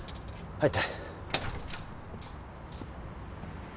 入って